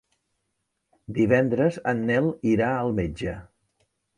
Divendres en Nel irà al metge.